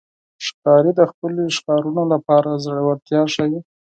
ښکاري د خپلو ښکارونو لپاره زړورتیا ښيي.